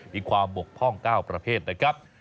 มีความบกพร่อง๙ประเภทนะครับ